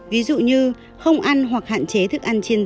ví dụ như không ăn hoặc hạn chế thức ăn chiên rán